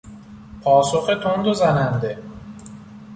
پاسخ تند و زننده